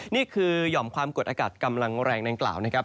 นี่คือหย่อมความกดอากาศกำลังแรงดังกล่าวนะครับ